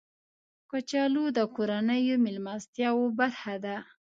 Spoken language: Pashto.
کچالو د کورنیو میلمستیاو برخه ده